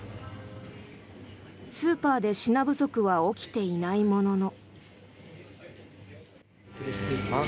スーパーで品不足は起きていないものの。